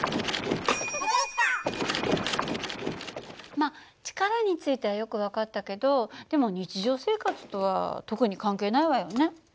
まあ力についてはよく分かったけどでも日常生活とは特に関係ないわよね。